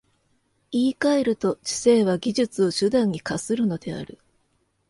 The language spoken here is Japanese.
言い換えると、知性は技術を手段に化するのである。